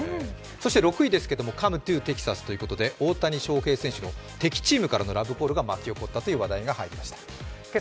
そして６位ですけどＣｏｍｅｔｏＴＥＸＡＳということで大谷翔平選手の敵チームからのラブコールが巻き起こったというニュースが入りました。